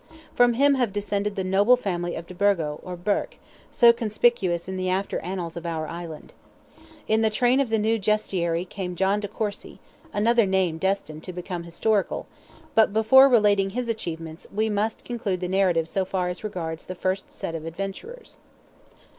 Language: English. From him have descended the noble family of de Burgo, or Burke, so conspicuous in the after annals of our island. In the train of the new Justiciary came John de Courcy, another name destined to become historical, but before relating his achievements, we must conclude the narrative so far as regards the first set of adventurers.